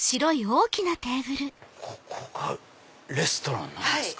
ここがレストランなんですか？